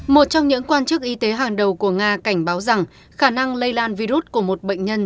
một trong những quan chức y tế hàng đầu của nga cảnh báo rằng khả năng lây lan virus của một bệnh nhân